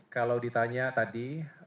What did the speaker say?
kalau ditanya tadi